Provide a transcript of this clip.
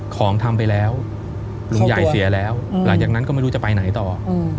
ของทำไปแล้วลุงใหญ่เสียแล้วหลังจากนั้นก็ไม่รู้จะไปไหนต่อ